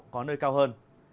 có nơi cao hơn